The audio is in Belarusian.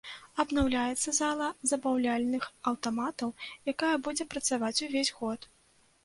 Абнаўляецца зала забаўляльных аўтаматаў, якая будзе працаваць увесь год.